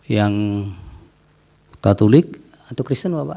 yang katolik atau kristen bapak